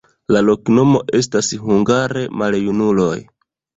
La loknomo estas hungare: maljunuloj.